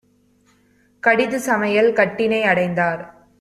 கடிது சமையல் கட்டினை அடைந்தார்.